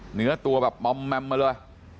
เหนือตัวแบบมอมแมมมาเลย